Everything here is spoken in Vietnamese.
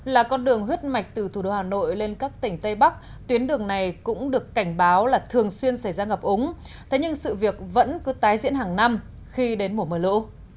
là con đường huyết mạch từ thủ đô hà nội lên các tỉnh tây bắc tuyến đường này cũng được cảnh báo là thường xuyên xảy ra ngập ống thế nhưng sự việc vẫn cứ tái diễn hàng năm khi đến mùa mưa lũ